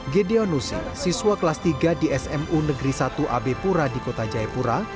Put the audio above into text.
gedeon nusi siswa kelas tiga di smu negeri satu ab pura di kota jayapura